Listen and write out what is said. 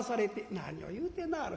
「何を言うてなはる。